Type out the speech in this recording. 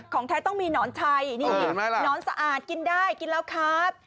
ของแท้ต้องมีหนอนชัยนี่หนอนสะอาดกินได้กินแล้วครับ